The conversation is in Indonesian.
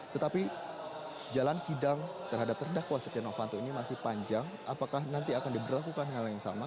tetapi jalan sidang terhadap terdakwa setia novanto ini masih panjang apakah nanti akan diberlakukan hal yang sama